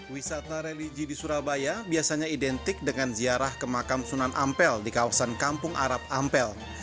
wisata religi di surabaya biasanya identik dengan ziarah ke makam sunan ampel di kawasan kampung arab ampel